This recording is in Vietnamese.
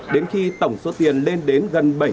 đến khi tổng số tiền lên đến gần hai trăm linh triệu đồng